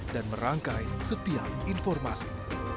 dan merangkai setiap informasi